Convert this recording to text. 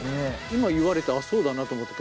今言われてあっそうだなと思って。